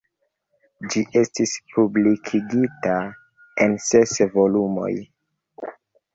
Ĝi estis publikigita en ses volumoj.